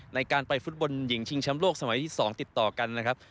ในการไปฟุตบอลหญิงชิงแชมป์โลกสมัยที่๒ติดต่อกันนะครับ